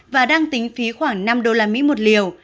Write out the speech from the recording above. bà đang tính phí khoảng năm usd một liều